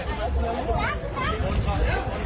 งานแห่งตัวค้าไม่ได้ผล